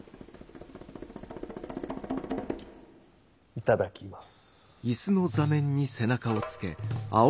いただきます。